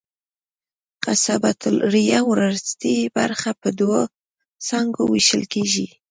قصبة الریې وروستۍ برخه په دوو څانګو وېشل کېږي.